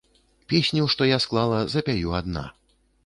Песню, што я склала, запяю адна.